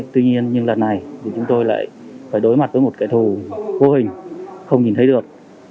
tuy nhiên nhưng lần này thì chúng tôi lại phải đối mặt với một kẻ thù vô hình không nhìn thấy được